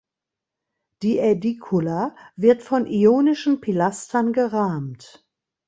Die Ädikula wird von ionischen Pilastern gerahmt.